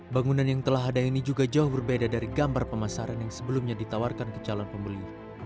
bangunan yang telah ada ini juga jauh berbeda dari gambar pemasaran yang sebelumnya ditawarkan ke calon pembeli